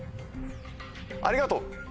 ありがとう。